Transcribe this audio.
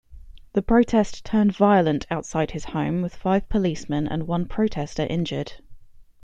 The protest turned violent outside his home, with five policemen and one protester injured.